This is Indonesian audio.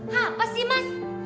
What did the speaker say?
hah pasti mas